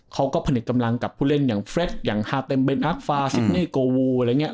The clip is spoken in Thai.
เขาก็ผลิตกำลังกับผู้เล่นอย่างเฟรกอย่างฮาเต็มเนนอักฟาซิดเน่โกวูอะไรอย่างนี้